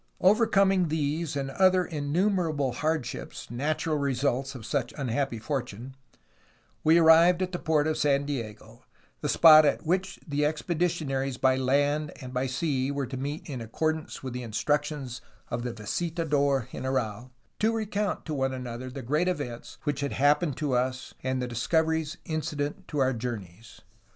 "Overcoming these and other innumerable hardships, natural results of such unhappy fortune, we arrived at the port of San Diego, the spot at which the expeditionaries by land and sea were to meet in accordance with the instructions of the visitador general to recount to one another the great events which had happened to 226 A HISTORY OF CALIFORNIA us and the discoveries incident to our journeys.